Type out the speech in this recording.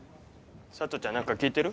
さとちゃん何か聞いてる？